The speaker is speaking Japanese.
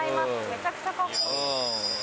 めちゃくちゃカッコいい。